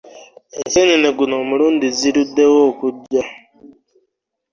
enseenene guno omulundi ziluddewo okujja.